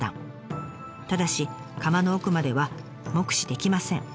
ただし窯の奥までは目視できません。